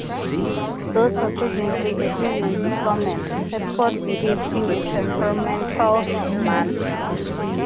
Though supposedly a seasoned diplomat, Hedford behaves in a temperamental manner.